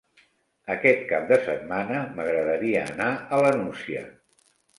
Aquest cap de setmana m'agradaria anar a la Nucia.